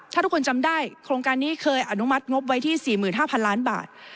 ถ้าทุกคนจำได้โครงการนี้เคยอนุมัติงบไว้ที่๔๕๐๐ล้านบาท